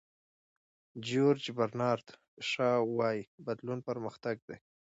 جیورج برنارد شاو وایي بدلون پرمختګ دی.